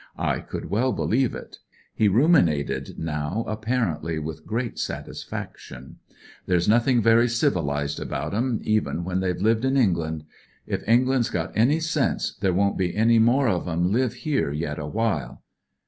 I could well believe it. He ruminated now apparently with great satisfaction.) "There's nothing very civilised about *em, even when they've lived in England. If England's got any sense there won't be any more of 'em live here yet awhile."